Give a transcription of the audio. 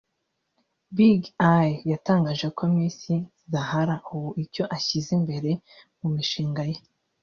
BigEye yatangaje ko Miss Zahara ubu icyo ashyize imbere mu mishinga ye